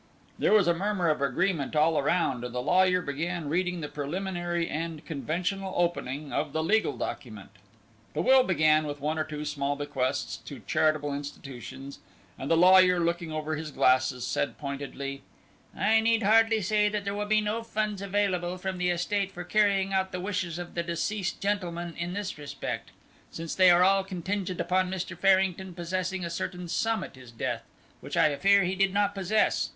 There was a murmur of agreement all round, and the lawyer began reading the preliminary and conventional opening of the legal document. The will began with one or two small bequests to charitable institutions, and the lawyer looking over his glasses said pointedly: "I need hardly say that there will be no funds available from the estate for carrying out the wishes of the deceased gentleman in this respect, since they are all contingent upon Mr. Farrington possessing a certain sum at his death which I fear he did not possess.